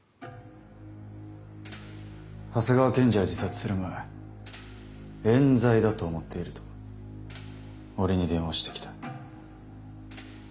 長谷川検事は自殺する前えん罪だと思っていると俺に電話してきた。